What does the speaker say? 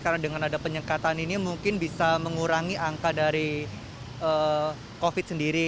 karena dengan ada penyekatan ini mungkin bisa mengurangi angka dari covid sendiri